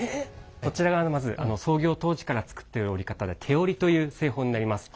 こちらがまず創業当時から作っている織り方で手織りという製法になります。